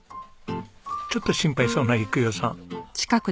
ちょっと心配そうな育代さん。